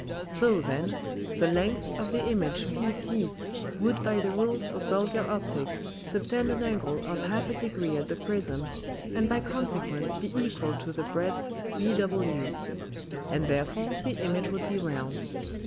So then, the length of the Image PT would by the Rules of Vulgar Opticks subtend an Angle of half a Degree at the Prism, and by Consequence be equal to the breadth vw; and therefore the Image would be round.